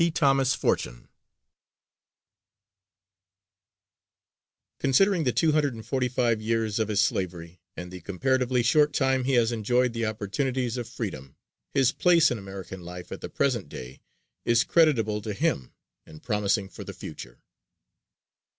THOMAS FORTUNE Considering the two hundred and forty five years of his slavery and the comparatively short time he has enjoyed the opportunities of freedom, his place in American life at the present day is creditable to him and promising for the future. [Illustration: T. THOMAS FORTUNE.